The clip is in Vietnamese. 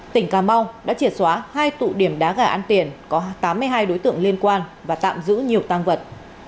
tỉnh cà mau đã triệt xóa hai tụ điểm đá gà ăn tiền có tám mươi hai đối tượng liên quan và tạm giữ nhiều tăng vật